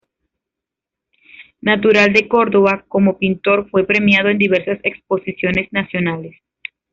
Natural de Córdoba, como pintor fue premiado en diversas exposiciones nacionales.